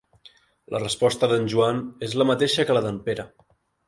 La resposta d'en Joan és la mateixa que la d'en Pere.